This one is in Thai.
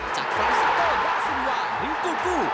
จากไฟล์ซาเกอร์ดาซินวาหรือกูกู